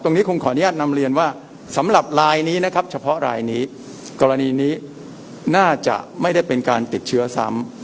คงขออนุญาตนำเรียนว่าสำหรับรายนี้นะครับเฉพาะรายนี้กรณีนี้น่าจะไม่ได้เป็นการติดเชื้อซ้ำ